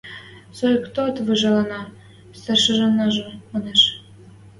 – Соикток выжаленӓ, – старшинажы манеш.